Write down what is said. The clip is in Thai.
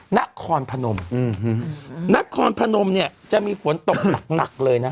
นครพนมนครพนมเนี่ยจะมีฝนตกหนักเลยนะ